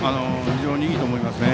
非常にいいと思いますね。